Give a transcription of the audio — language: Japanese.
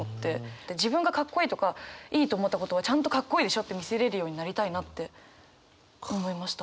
で自分がカッコいいとかいいと思ったことをちゃんとカッコいいでしょって見せれるようになりたいなって思いました。